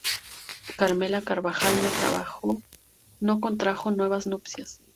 Carmela Carvajal no contrajo nuevas nupcias.